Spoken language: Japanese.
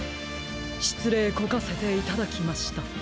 しつれいこかせていただきました。